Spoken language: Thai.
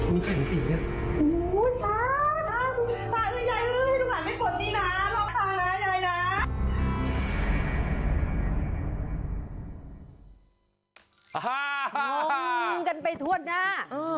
ม้องกันไปท่วดหน้า